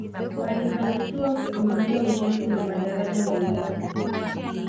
alifanikiwa kusimamia ujenzi wa madaraja mbalimbali